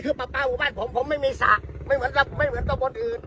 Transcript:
คือปลาปลาหมู่บ้านผมผมไม่มีสระไม่เหมือนไม่เหมือนตะบนอื่น